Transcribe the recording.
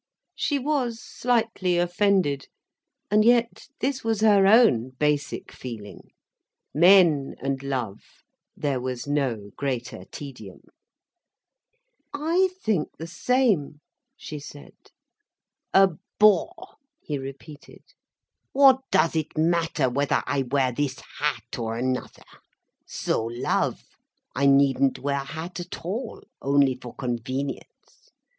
She was slightly offended. And yet, this was her own basic feeling. Men, and love—there was no greater tedium. "I think the same," she said. "A bore," he repeated. "What does it matter whether I wear this hat or another. So love. I needn't wear a hat at all, only for convenience.